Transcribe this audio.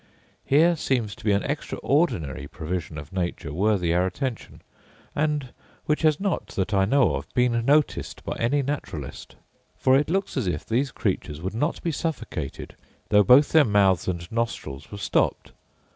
Here seems to be an extraordinary provision of nature worthy our attention; and which has not, that I know of, been noticed by any naturalist. For it looks as if these creatures would not be suffocated, though both their mouths and nostrils were stopped.